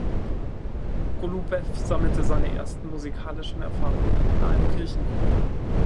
Golubew sammelte seine ersten musikalischen Erfahrungen in einem Kirchenchor.